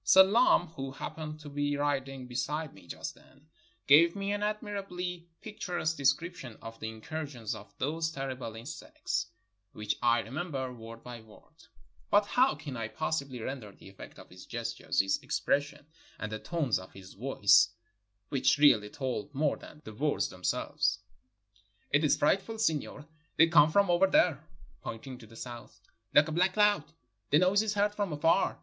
Selam, who hap pened to be riding beside me just then, gave me an ad mirably picturesque description of the incursions of those terrible insects, which I remember word for word; NORTHERN AFRICA but how can I possibly render the effect of his gestures, his expression and the tones of his voice, which really told more than the words themselves. *'It is frightful, signor; they come from over there," pointing to the south, "Hke a black cloud; the noise is heard from afar.